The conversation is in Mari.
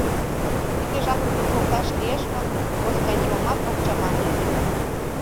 Тиде жапым пӧртылташ лиеш гын, Костя нимомат ок чамане ыле.